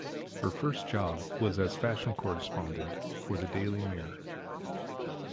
Her first job was as fashion correspondent for the "Daily Mirror".